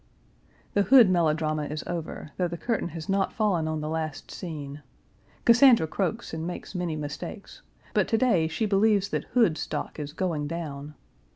The Hood melodrama is over, though the curtain has not fallen on the last scene. Cassandra croaks and makes many mistakes, but to day she believes that Hood stock is going down.